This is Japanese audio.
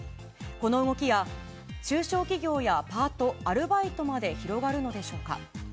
この動きは中小企業やパート、アルバイトまで広がるのでしょうか。